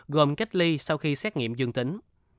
gồm kết ly sau khi xét nghiệm dương tính